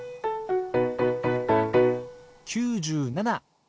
９７。